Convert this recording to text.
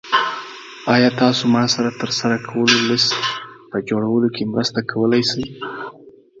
ایا تاسو ما سره د ترسره کولو لیست په جوړولو کې مرسته کولی شئ؟